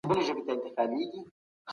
د سياسي څېړنو علمي والی تر پوښتنې لاندې دی.